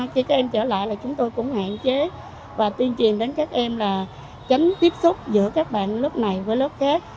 khi các em trở lại là chúng tôi cũng hạn chế và tuyên truyền đến các em là tránh tiếp xúc giữa các bạn lớp này với lớp khác